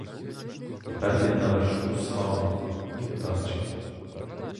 Тепер він на вершку слави і вдачі.